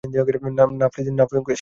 না প্লিজ, না মুকেশ।